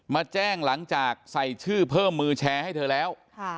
มาแจ้งหลังจากใส่ชื่อเพิ่มมือแชร์ให้เธอแล้ว